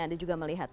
anda juga melihat